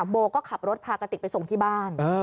โบก็ขับรถพากติกไปส่งที่บ้าน